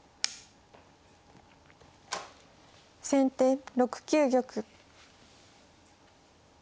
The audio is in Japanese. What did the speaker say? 先手６九玉。